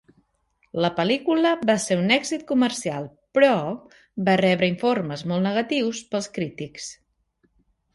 La pel·lícula va ser un èxit comercial, però, va rebre informes molt negatius pels crítics.